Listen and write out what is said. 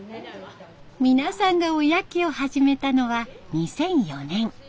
皆さんがおやきを始めたのは２００４年。